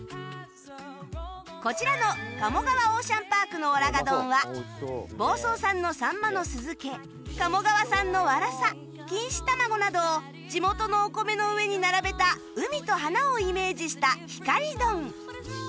こちらの鴨川オーシャンパークのおらが丼は房総産のサンマの酢漬け鴨川産のワラサ錦糸卵などを地元のお米の上に並べた海と花をイメージしたひかり丼